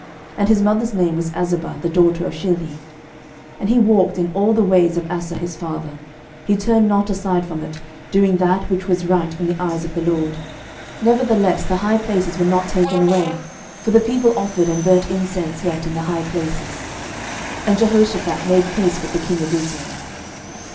And his mother's name was Azubah the daughter of Shilhi. 11:022:043 And he walked in all the ways of Asa his father; he turned not aside from it, doing that which was right in the eyes of the LORD: nevertheless the high places were not taken away; for the people offered and burnt incense yet in the high places. 11:022:044 And Jehoshaphat made peace with the king of Israel.